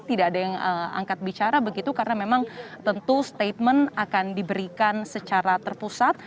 tidak ada yang angkat bicara begitu karena memang tentu statement akan diberikan secara terpusat